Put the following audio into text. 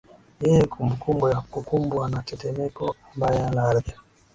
ye kumbukumbu ya kukumbwa na temeko mbaya la ardhi